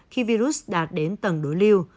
khi virus đạt đến tầng đối lưu